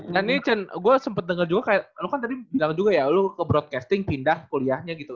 dan ini chen gua sempet denger juga kayak lu kan tadi bilang juga ya lu ke broadcasting pindah kuliahnya gitu